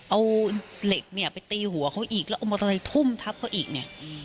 เอาเหล็กเนี่ยไปตีหัวเขาอีกแล้วเอามอเตอร์ไซค์ทุ่มทับเขาอีกเนี่ย